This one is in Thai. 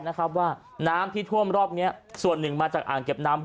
นะครับว่าน้ำที่ท่วมรอบเนี้ยส่วนหนึ่งมาจากอ่างเก็บน้ำ